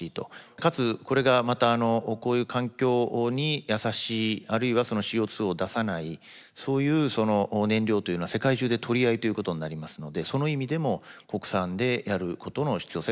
かつこれがまたこういう環境に優しいあるいはそのＣＯを出さないそういう燃料というのは世界中で取り合いということになりますのでその意味でも国産でやることの必要性が高いということだと思います。